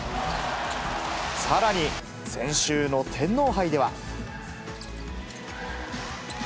さらに先週の天皇杯では。